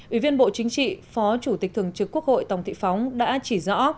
ủy viên bộ chính trị phó chủ tịch thường trực quốc hội tòng thị phóng đã chỉ rõ